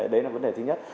đấy là vấn đề thứ nhất